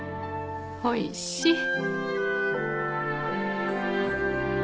おいしい。